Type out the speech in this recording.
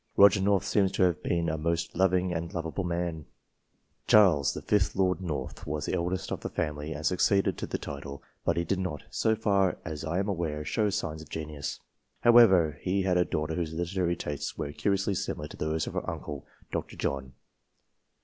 Roger North seems to have been a most loving and loveable man, BETWEEN 1660 AND 1865 71 Charles, the fifth Lord North, was the eldest of the family, and succeeded to the title ; but he did not, so far as I am aware, show signs of genius. However, he had a daughter whose literary tastes were curiously similar to those of her uncle, Dr. John.